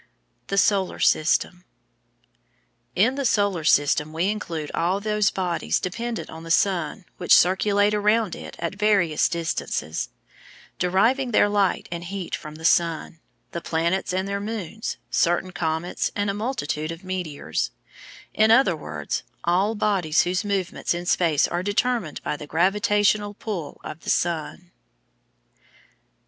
The Solar System In the Solar System we include all those bodies dependent on the sun which circulate round it at various distances, deriving their light and heat from the sun the planets and their moons, certain comets and a multitude of meteors: in other words, all bodies whose movements in space are determined by the gravitational pull of the sun.